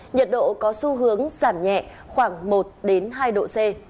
nhiệt độ có xu hướng giảm nhẹ khoảng một hai độ c